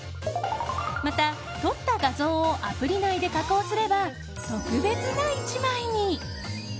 また、撮った画像をアプリ内で加工すれば特別な１枚に。